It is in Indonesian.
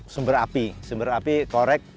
sumber api sumber api korek